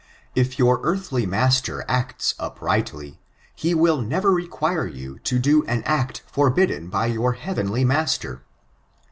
If your earthly master acts uprightly, he will never require you to do an act forbidden by your heavenly ma^er.